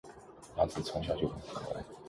阿梓从小就很可爱